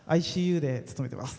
ＩＣＵで勤めてます。